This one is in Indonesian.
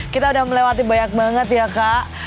kita udah melewati banyak banget ya kak